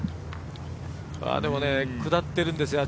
でもね下ってるんですよ